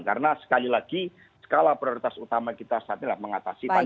karena sekali lagi skala prioritas utama kita saat ini adalah mengatasi pandemi